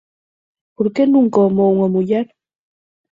Por que nunca o amou unha muller?